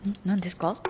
何ですか？